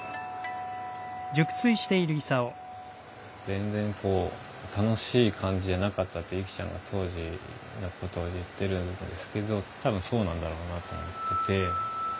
全然こう楽しい感じじゃなかったってゆきちゃんが当時のことを言ってるんですけど多分そうなんだろうなと思ってて。